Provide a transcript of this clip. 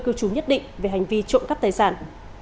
cư trú nhất định về hành vi trộm cắp tài sản